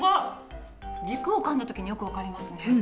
軸をかんだ時によく分かりますね。